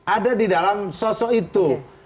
ada di dalam sosok itu